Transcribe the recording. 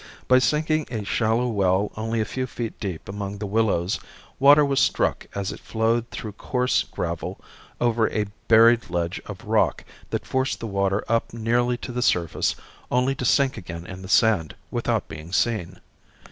By sinking a shallow well only a few feet deep among the willows, water was struck as it flowed through coarse gravel over a buried ledge of rock that forced the water up nearly to the surface only to sink again in the sand without being seen.